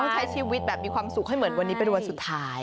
ใช้ชีวิตแบบมีความสุขให้เหมือนวันนี้เป็นวันสุดท้าย